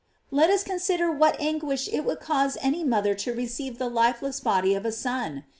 Let us consider what anguish it would cause any mother to receive the lifeless body of a son!